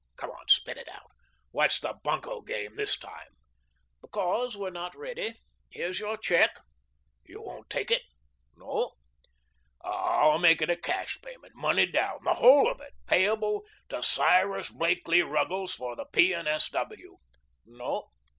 Come, spit it out. What's the bunco game this time?" "Because we're not ready. Here's your check." "You won't take it?" "No." "I'll make it a cash payment, money down the whole of it payable to Cyrus Blakelee Ruggles, for the P. and S. W." "No."